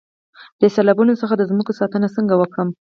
د سیلابونو څخه د ځمکو ساتنه څنګه وکړم؟